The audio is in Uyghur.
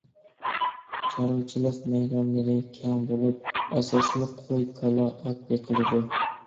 چارۋىچىلىق مەيدانلىرى كەڭ بولۇپ، ئاساسلىق قوي، كالا، ئات بېقىلىدۇ.